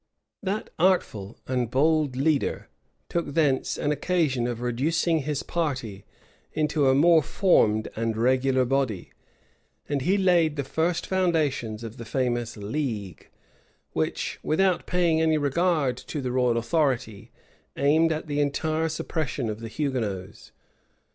That artful and bold leader took thence an occasion of reducing his party into a more formed and regular body; and he laid the first foundations of the famous "league," which, without paying any regard to the royal authority, aimed at the entire suppression of the Hugonots.